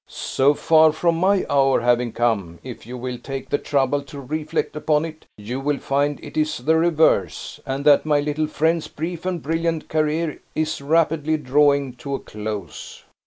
"So far from my hour having come if you will take the trouble to reflect upon it you will find it is the reverse, and that my little friend's brief and brilliant career is rapidly drawing to a close."